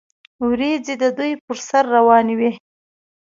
وریځې د دوی پر سر روانې وې.